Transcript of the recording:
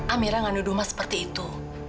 amira gak nuduh mas seperti itu